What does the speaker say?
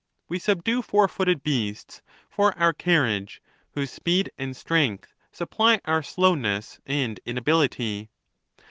"We subdue four footed beasts for our carriage, whose speed and strength supply our slowness and inability.